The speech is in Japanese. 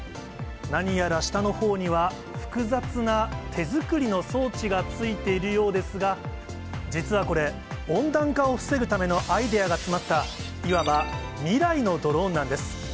何やら下のほうには、複雑な手作りの装置が付いているようですが、実はこれ、温暖化を防ぐためのアイデアが詰まった、いわば未来のドローンなんです。